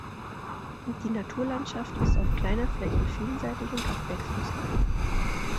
Die Naturlandschaft ist auf kleiner Fläche vielseitig und abwechslungsreich.